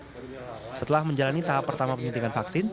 seluruh relawan yang telah menjalani tahap pertama penyuntikan vaksin